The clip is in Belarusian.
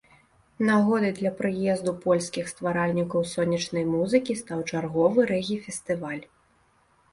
Нагодай для прыезду польскіх стваральнікаў сонечнай музыкі стаў чарговы рэгі-фестываль.